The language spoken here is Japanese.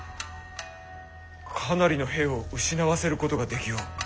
かなりの兵を失わせることができよう。